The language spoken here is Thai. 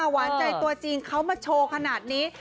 หวานใจตัวจริงเขามาโชว์ขนาดนี้